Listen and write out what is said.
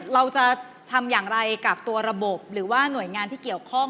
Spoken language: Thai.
เราจะทำอย่างไรกับตัวระบบหรือว่าหน่วยงานที่เกี่ยวข้อง